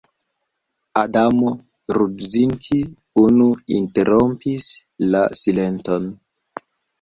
Adamo Rudzinski unua interrompis la silenton.